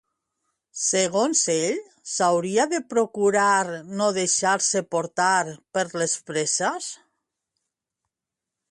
Segons ell, s'hauria de procurar no deixar-se portar per les presses?